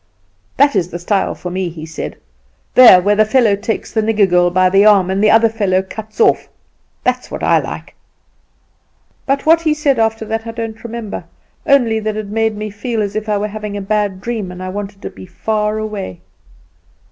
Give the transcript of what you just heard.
'That is the style for me,' he said; 'there where the fellow takes the nigger girl by the arm, and the other fellow cuts it off! That's what I like.' "But what he said after that I don't remember, only it made me feel as if I were having a bad dream, and I wanted to be far away.